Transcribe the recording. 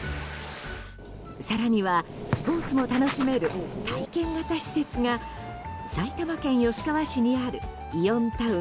更にはスポーツも楽しめる体験型施設が埼玉県吉川市にあるイオンタウン